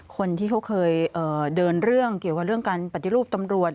คนที่เขาเคยเดินเรื่องเกี่ยวกับเรื่องการปฏิรูปตำรวจ